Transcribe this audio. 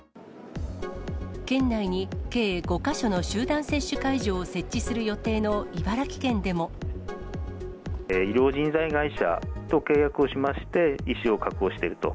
県内に計５か所の集団接種会医療人材会社と契約をしまして、医師を確保していると。